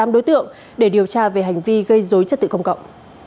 tám đối tượng để điều tra về hành vi gây dối chất tự công cộng